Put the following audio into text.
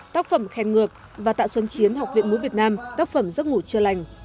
tác phẩm khen ngược và tạ xuân chiến học viện múa việt nam tác phẩm giấc ngủ chưa lành